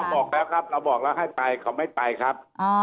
บอกแล้วครับเราบอกแล้วให้ไปเขาไม่ไปครับ